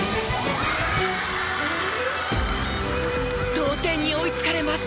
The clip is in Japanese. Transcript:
同点に追いつかれます。